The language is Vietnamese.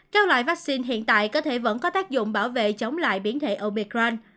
các loại vaccine hiện tại có thể vẫn có tác dụng bảo vệ chống lại biến thể obergram